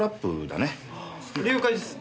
了解です。